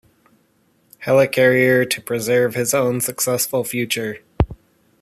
Helicarrier to preserve his own successful future.